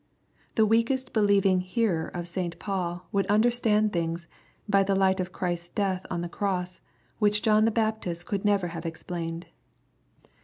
The weakest believing hearer of St. Paul would under stand things, by the light of Christ's death on the cross, which John the Baptist could never have explained.